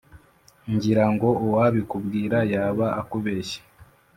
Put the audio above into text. ” ngira ngo uwabikubwira yaba akubeshye!